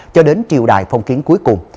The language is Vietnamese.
cho đến triệu đại phong kiến cuối cùng